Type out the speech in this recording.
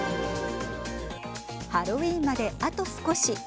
ハロウィーンまであと少し。